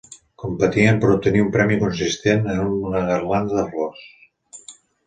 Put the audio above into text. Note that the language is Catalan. Competien per obtenir un premi consistent en una garlanda de flors.